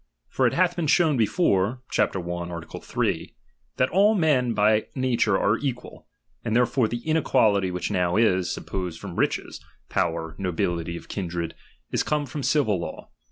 For it hath been showed before (Chap. i. Art. 3) that all men by nature are equal ; and therefore the inequality which now is, suppose from riches, power, nobility of kindred, is come from the civil law.